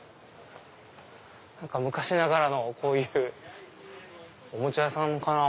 昔ながらのこういうおもちゃ屋さんかな。